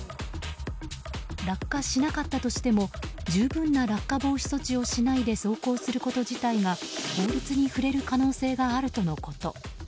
落下しなかったとしても十分な落下防止措置をしないで走行すること自体が、法律に触れる可能性があるとのこと。